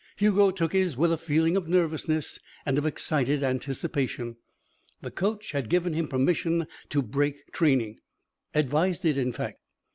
Hugo took his with a feeling of nervousness and of excited anticipation. The coach had given him permission to break training advised it, in fact.